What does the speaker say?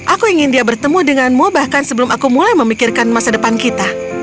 aku ingin dia bertemu denganmu bahkan sebelum aku mulai memikirkan masa depan kita